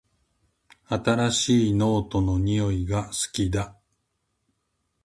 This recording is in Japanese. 新しいノートの匂いが好きだ